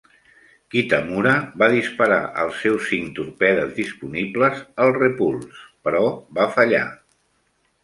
Kitamura va disparar els seus cinc torpedes disponibles al Repulse, però va fallar.